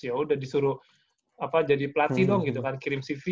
ya udah disuruh jadi pelatih dong gitu kan kirim cv